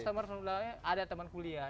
customer pertama kali ada teman kuliah